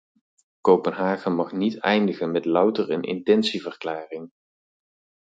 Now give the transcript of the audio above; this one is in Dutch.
Kopenhagen mag niet eindigen met louter een intentieverklaring.